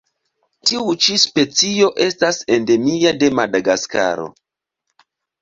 Tiu ĉi specio estas endemia de Madagaskaro.